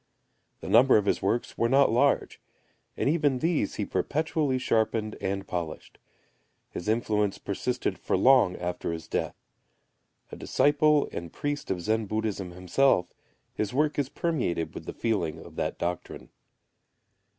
The number of his works were not large, and even these he perpetually sharpened and polished. His influence persisted for long after his death. A disciple and priest of Zen Buddhism himself, his work is permeated with the feeling of that doctrine.